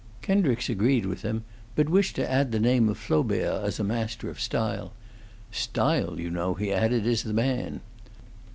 Kendricks agreed with him, but wished to add the name of Flaubert as a master of style. "Style, you know," he added, "is the man."